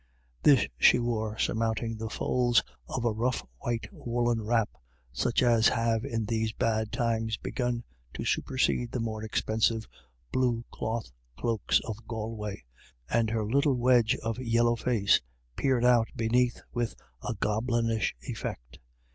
This she wore surmounting the folds of a rough white woollen wrap, such as have in these bad times begun to supersede the more expensive blue cloth cloaks of Gal way, and her little wedge of yellow face peered out beneath with a goblinish effect.